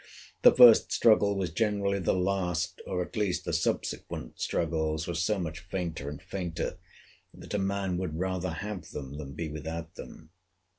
The first struggle was generally the last; or, at least, the subsequent struggles were so much fainter and fainter, that a man would rather have them than be without them.